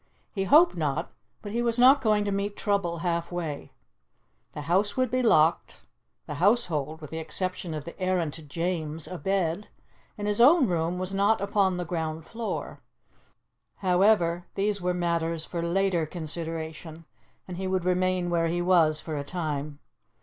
He hoped not, but he was not going to meet trouble half way. The house would be locked, the household with the exception of the errant James abed, and his own room was not upon the ground floor. However, these were matters for later consideration, and he would remain where he was for a time.